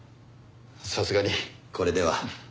さすがにこれでは。